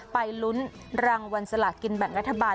ไปลุ้นรางวัลสลากินแบ่งรัฐบาล